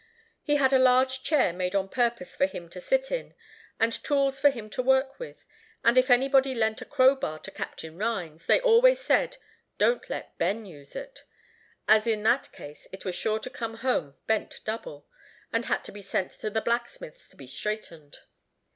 He had a large chair made on purpose for him to sit in, and tools for him to work with; and if anybody lent a crowbar to Captain Rhines, they always said, "Don't let Ben use it," as in that case it was sure to come home bent double, and had to be sent to the blacksmith's to be straightened.